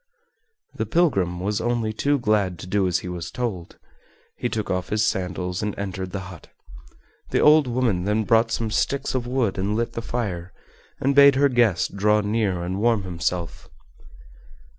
The pilgrim was only too glad to do as he was told. He took off his sandals and entered the hut. The old woman then brought some sticks of wood and lit the fire, and bade her guest draw near and warm himself.